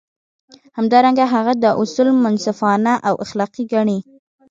همدارنګه هغه دا اصول منصفانه او اخلاقي ګڼي.